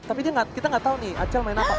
tapi kita nggak tahu nih acel main apa